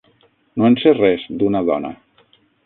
No en sé res, d'una dona.